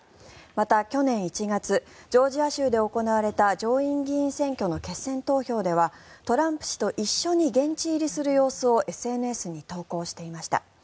また、去年１月ジョージア州で行われた上院議員選挙の決選投票ではトランプ氏と一緒に現地入りする様子をＳＮＳに投稿していました。